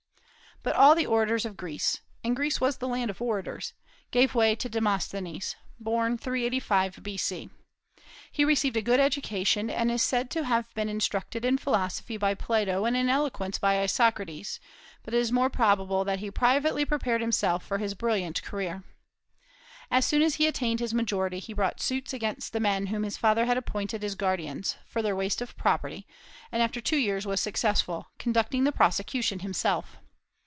But all the orators of Greece and Greece was the land of orators gave way to Demosthenes, born 385 B.C. He received a good education, and is said to have been instructed in philosophy by Plato and in eloquence by Isocrates; but it is more probable that he privately prepared himself for his brilliant career. As soon as he attained his majority, he brought suits against the men whom his father had appointed his guardians, for their waste of property, and after two years was successful, conducting the prosecution himself.